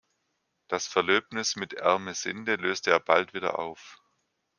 Das Verlöbnis mit Ermesinde löste er bald wieder auf.